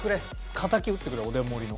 敵討ってくれおでん盛りの。